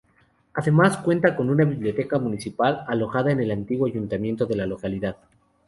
Además cuenta con una Biblioteca Municipal alojada en el antiguo ayuntamiento de la localidad.